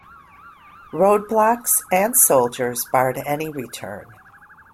Road blocks, and soldiers barred any return.